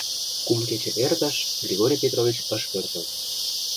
Кум кече эртыш — Григорий Петрович ыш пӧртыл.